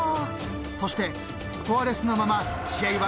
［そしてスコアレスのまま試合は］